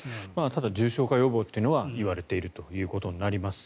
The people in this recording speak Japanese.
ただ重症化予防というのは言われているということになります。